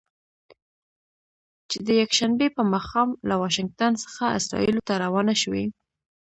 چې د یکشنبې په ماښام له واشنګټن څخه اسرائیلو ته روانه شوې.